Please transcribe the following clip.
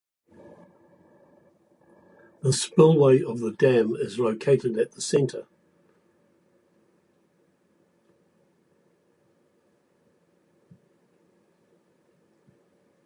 The spillway of the dam is located at the center.